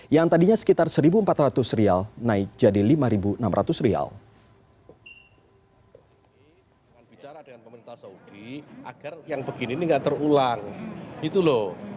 yang tadinya sekitar satu empat ratus naik jadi lima enam ratus rial